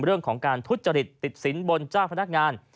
เรื่องของการทุจริตติดสินบนเจ้าพนักงาน